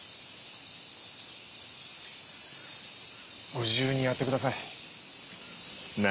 ご自由にやってください。何！？